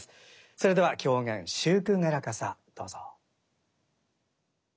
それでは狂言「秀句傘」どうぞ。